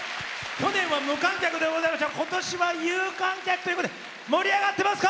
去年は無観客でございましたが今年は有観客ということで盛り上がってますか？